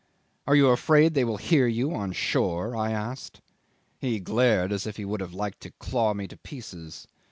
'Are you afraid they will hear you on shore?' I asked. He glared as if he would have liked to claw me to pieces.